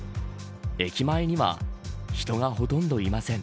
駅前には人がほとんどいません。